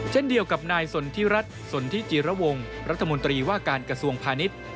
เช่นเดียวกับนายสนทิรัฐสนทิจิระวงรัฐมนตรีว่าการกระทรวงพาณิชย์